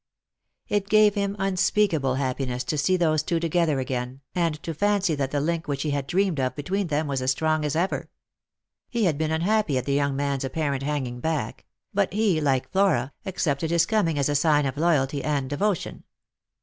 It gave him unspeakable happiness to see those two together again, and to fancy that the link which he had dreamed of between them was as strong as ever. He had been unhappy at the young man's apparent hanging back; but he, like Flora, accepted his coming as a sign of loyalty and devotion.